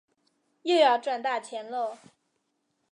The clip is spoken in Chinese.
又要赚大钱啰